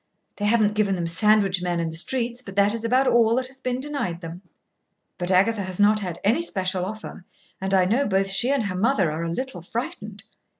They haven't given them sandwich men in the streets, but that is about all that has been denied them. But Agatha has not had any special offer, and I know both she and her mother are a little frightened.